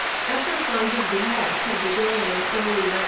Efforts on his behalf had begun in early 1971.